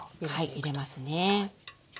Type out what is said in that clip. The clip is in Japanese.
はい入れますね。